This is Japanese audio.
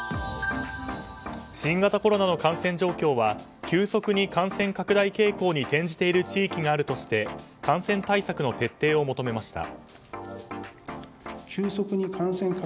新型コロナの感染状況は急速に感染拡大傾向に転じている地域があるとして感染対策の徹底を求めました。